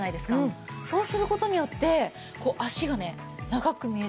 そうする事によってこう脚がね長く見えるんですよ。